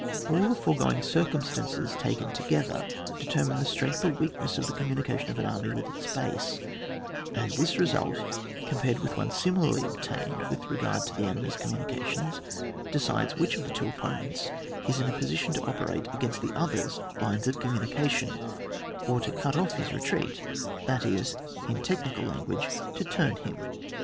All the foregoing circumstances taken together determine the strong^ or weak ness of the communication of an army with its base, and this result, compared with one similarly obtained with regard to the enemy's communications, decides which of the two opponents is in a posi tion to operate against the other's lines of communication, or to cut off his re treat, that is, in technical language to turn him.